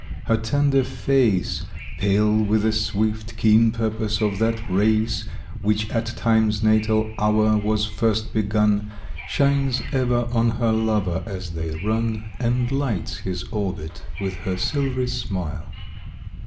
Her tender face, Pale with the swift, keen purpose of that race Which at Time's natal hour was first begun, Shines ever on her lover as they run And lights his orbit with her silvery smile.